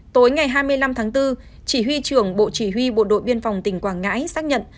tối ngày hai mươi năm tháng bốn chỉ huy trưởng bộ chỉ huy bộ đội biên phòng tỉnh quảng ngãi xác nhận